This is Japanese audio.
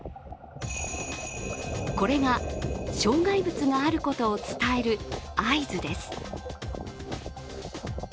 これが障害物があることを伝える合図です。